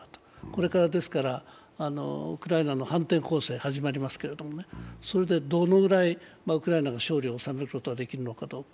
これからウクライナの反転攻勢が始まりますけどそれでどのぐらいウクライナが勝利を収めることができるのかどうか。